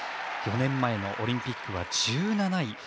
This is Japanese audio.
４年前のオリンピックは１７位。